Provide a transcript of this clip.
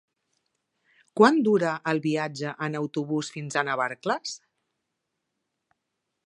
Quant dura el viatge en autobús fins a Navarcles?